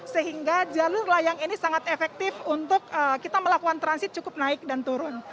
sehingga jalur layang ini sangat efektif untuk kita melakukan transit cukup naik dan turun